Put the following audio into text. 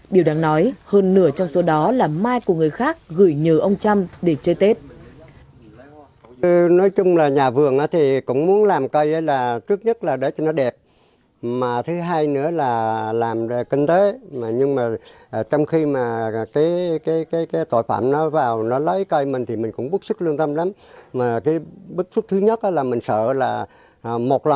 điều đáng nói hơn nửa trong số đó là mai của người khác gửi nhờ ông trâm để chơi tết